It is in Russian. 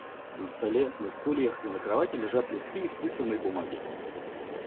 На столе, на стульях и на кровати лежат листы исписанной бумаги.